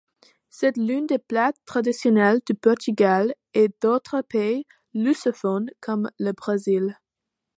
C'est l'un des plats traditionnels du Portugal et d'autre pays lusophones, comme le Brésil.